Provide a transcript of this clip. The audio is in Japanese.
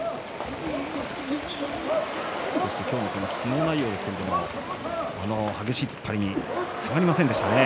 今日の相撲内容ですが激しい突っ張りに下がりませんでしたね。